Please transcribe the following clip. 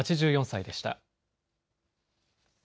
８４歳でした。